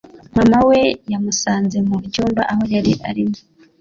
mama we yamusanze mu cyumba aho yari arimo